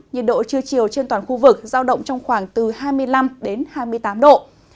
nhiệt độ trưa chiều trên toàn khu vực giao động trong khoảng từ hai mươi năm đến hai mươi tám độ